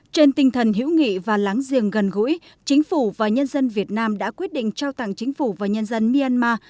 trên tinh thần hiểu nghị và láng giềng gần gũi chính phủ và nhân dân việt nam đã quyết định trao tặng chính phủ và nhân dân myanmar